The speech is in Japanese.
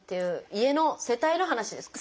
家の世帯の話ですか？